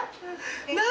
何？